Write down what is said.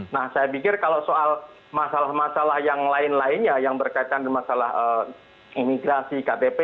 nah saya pikir kalau soal masalah masalah yang lain lainnya yang berkaitan dengan masalah imigrasi ktp